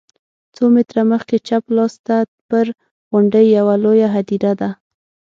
څو متره مخکې چپ لاس ته پر غونډۍ یوه لویه هدیره ده.